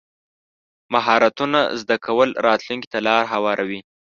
مهارتونه زده کول راتلونکي ته لار هواروي.